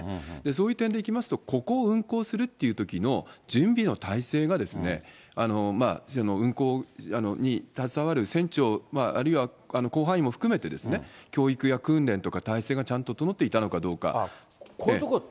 そういう点でいきますと、ここを運航するってときの準備の態勢が運航に携わる船長、あるいは甲板員も含めて、教育や訓練とか、体制がちゃんと整っていたのかどうか。